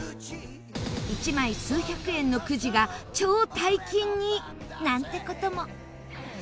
１枚数百円のくじが超大金に！なんて事も。